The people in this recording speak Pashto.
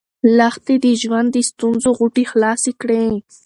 لښتې د ژوند د ستونزو غوټې خلاصې کړې.